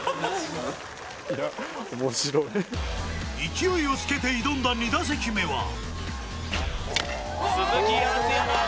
勢いをつけて挑んだ２打席目は鈴木敦也